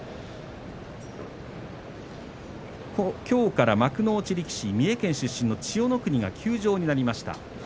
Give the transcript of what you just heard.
きょうから幕内力士三重県出身の千代の国が休場となりました。